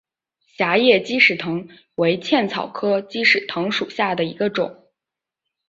狭叶鸡矢藤为茜草科鸡矢藤属下的一个种。